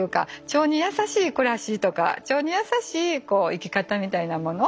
腸に優しい暮らしとか腸に優しいこう生き方みたいなもの